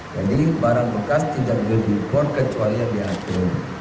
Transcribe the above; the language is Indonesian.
jadi barang bekas tidak boleh diimpor kecuali yang diatur